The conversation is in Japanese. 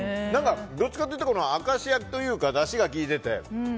どっちかというと明石焼きというかだしが効いてて。